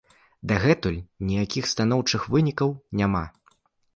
Дагэтуль ніякіх станоўчых вынікаў няма.